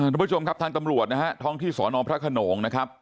ทุกผู้ชมครับทางตำรวจนะฮะท้องที่สอนอพระขนงนะครับ